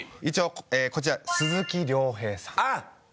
一応こちら鈴木亮平さん。